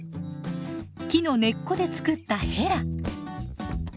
木の根っこで作ったヘラ。